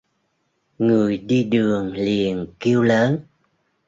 người đi đường liền kêu lớn